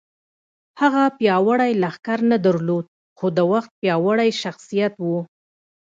هغه پیاوړی لښکر نه درلود خو د وخت پیاوړی شخصیت و